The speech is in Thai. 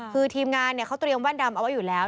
คือทีมงานเขาเตรียมแว่นดำเอาไว้อยู่แล้ว